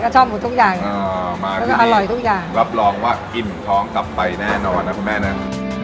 ก็ชอบหมูทุกอย่างเขาก็อร่อยทุกอย่างอะมากี่รับรองว่ากินทองกลับไปแน่นอนนะแม่นั้น